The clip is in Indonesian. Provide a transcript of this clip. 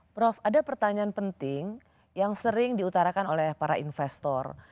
prof ada pertanyaan penting yang sering diutarakan oleh para investor